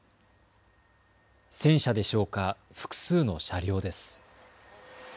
戦車でしょうか、複数の車両です。